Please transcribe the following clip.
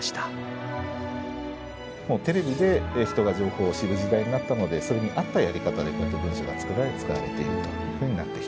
テレビで人が情報を知る時代になったのでそれに合ったやり方でこうやって文書が作られ使われているというふうになってきています。